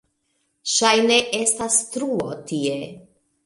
Ŝajne estas truo tie.